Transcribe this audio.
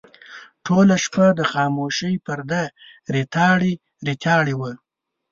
ټوله شپه د خاموشۍ پرده ریتاړې ریتاړې وه.